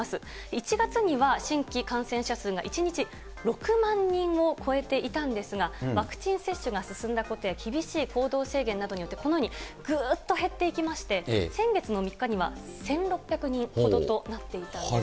１月には新規感染者数が１日６万人を超えていたんですが、ワクチン接種が進んだことや厳しい行動制限などによってこのようにぐーっと減っていきまして、先月の３日には１６００人ほどとなっていたんです。